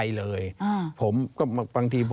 ตลาดมากหรอกมันไม่ใช่